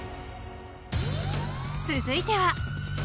［続いては］